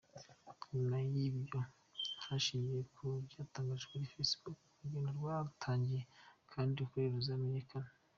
Nyuma y’ibyo, hashingiwe ku byatangajwe kuri Facebook, urugendo rwaratangiye kandi ukuri kuzamenyekana.